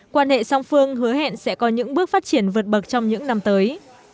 quan hệ song phương hứa hẹn sẽ có những bước phát triển vượt bậc trong những năm tới